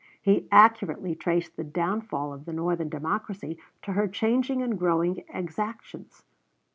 He accurately traced the downfall of the Northern Democracy to her changing and growing exactions.